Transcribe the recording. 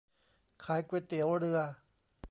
ขายก๋วยเตี๋ยวเรือ